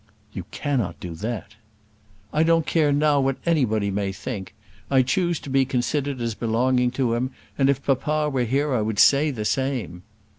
"You cannot do that." "I don't care now what anybody may think. I choose to be considered as belonging to him, and if papa were here I would say the same."